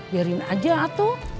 biarin aja atuh